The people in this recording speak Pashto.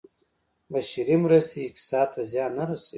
بشري مرستې اقتصاد ته زیان نه رسوي.